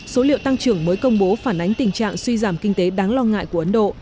số liệu tăng trưởng mới công bố phản ánh tình trạng suy giảm kinh tế đáng lo ngại của ấn độ